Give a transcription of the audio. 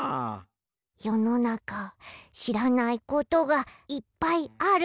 よのなかしらないことがいっぱいあるね。